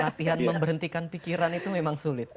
latihan memberhentikan pikiran itu memang sulit